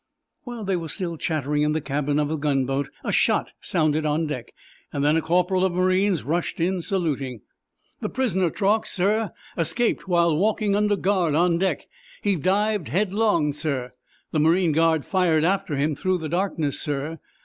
While they were still chatting in the cabin of the gunboat a shot sounded on deck. Then a corporal of marines rushed in, saluting. "The prisoner, Truax, sir, escaped while walking under guard on deck. He dived headlong, sir. The marine guard fired after him through the darkness, sir.